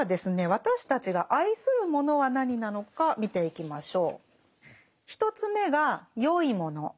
私たちが愛するものは何なのか見ていきましょう。